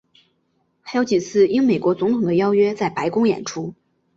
还有几次应美国总统的邀请在白宫演出。